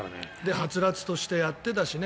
はつらつとしてやってたしね。